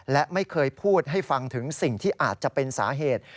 และไม่เคยพูดให้ฟังถึงสิ่งที่อาจจะเป็นสาเหตุ